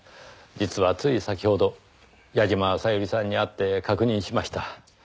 実はつい先ほど矢嶋小百合さんに会って確認しました。